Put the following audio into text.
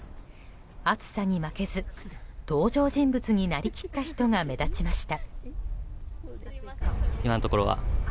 暑さに負けず、登場人物になりきった人が目立ちました。